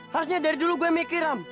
harusnya dari dulu gue mikir ram